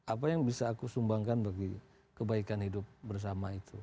apa yang bisa aku sumbangkan bagi kebaikan hidup bersama itu